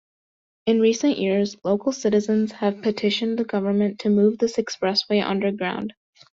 In recent years, local citizens have petitioned the government to move this expressway underground.